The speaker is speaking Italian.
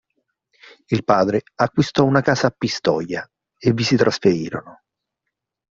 Il padre acquistò una casa a Pistoia e vi si trasferirono.